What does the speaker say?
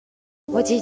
おじい